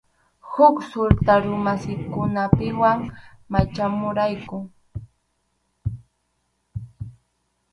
Huk sultarumasikunapuwan machamurayku.